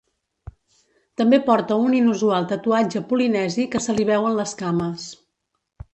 També porta un inusual tatuatge polinesi que se li veu en les cames.